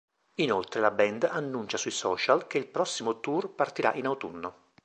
Inoltre la band annuncia sui social che il prossimo tour partirà in autunno.